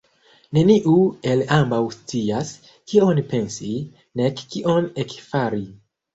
Neniu el ambaŭ scias, kion pensi, nek kion ekfari.